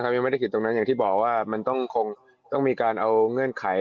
อย่างที่บอกว่ามันต้องมีการเอาเงื่อนไข